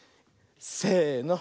せの。